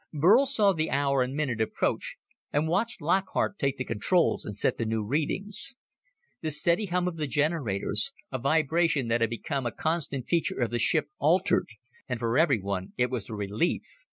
Burl saw the hour and minute approach and watched Lockhart take the controls and set the new readings. The steady hum of the generators a vibration that had become a constant feature of the ship altered, and for everyone it was a relief.